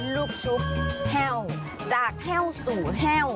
ลูกชุบแห้วจากแห้วสู่แห้ว